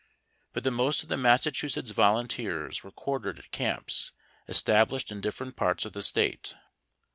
But the most of the Massachusetts volun teers were quartered at camps established in different parts of the State.